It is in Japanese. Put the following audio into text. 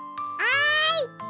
あい！